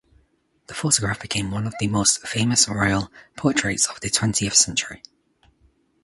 The photograph became one of the most famous royal portraits of the twenteith century.